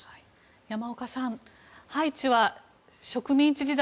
山岡さん、ハイチは植民地時代